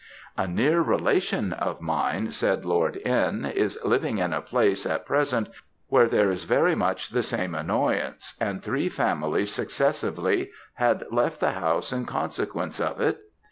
"A near relation of mine," said Lord N., "is living in a place at present, where there is very much the same annoyance, and three families successively, had left the house in consequence of it.